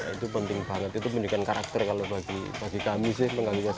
itu penting banget itu pembentukan karakter bagi kami sih